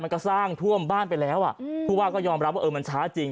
มันก็สร้างท่วมบ้านไปแล้วอ่ะผู้ว่าก็ยอมรับว่าเออมันช้าจริง